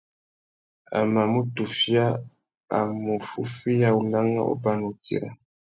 A mà mù tufia, a mù fúffüiya ulangha, ubana, utira.